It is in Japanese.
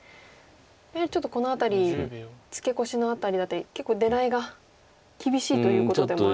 やはりちょっとこのあたりツケコシのあたりだったり結構狙いが厳しいということでもある？